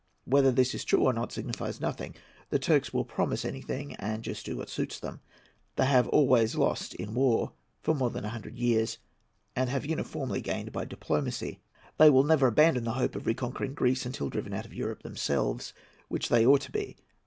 Whether this is true or not signifies nothing. The Turks will promise anything, and do just what suits them. They have always lost in war, for more than a hundred years, and have uniformly gained by diplomacy. They will never abandon the hope of reconquering Greece until driven out of Europe themselves, which they ought to be.